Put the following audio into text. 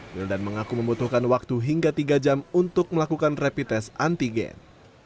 wildan mengaku membutuhkan waktu hingga tiga jam untuk melakukan rapid test antigen